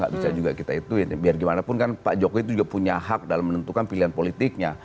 biar gimana pun pak jokowi itu punya hak dalam menentukan pilihan politiknya